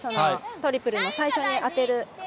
トリプルの最初に当てる。